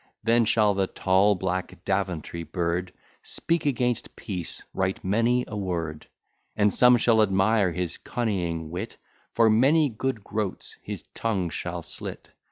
Then shall the tall black Daventry Bird Speak against peace right many a word; And some shall admire his coneying wit, For many good groats his tongue shall slit.